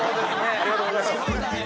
ありがとうございます。